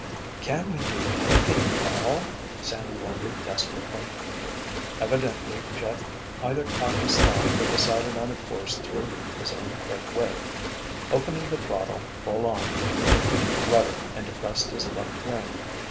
"Can't we do anything at all?" Sandy wondered desperately. Evidently Jeff either caught his thought or decided on a course through his own quick wit. Opening the throttle full on, he kicked rudder and depressed his left wing.